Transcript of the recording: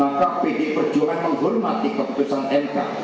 maka pdi perjuangan menghormati keputusan mk